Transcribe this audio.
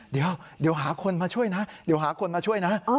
เดี๋ยวหาคนมาช่วยนะเดี๋ยวหาคนมาช่วยนะ